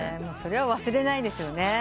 それは忘れないですよね。